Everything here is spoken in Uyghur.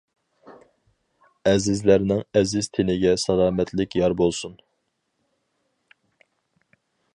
ئەزىزلەرنىڭ ئەزىز تېنىگە سالامەتلىك يار بولسۇن!